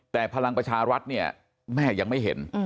แต่พลังประชารัฐเนี่ยแม่ยังไม่เห็น